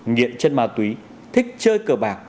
nghiện chất ma túy thích chơi cờ bạc